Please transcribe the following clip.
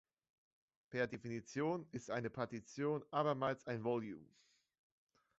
Per Definition ist eine Partition abermals ein Volume.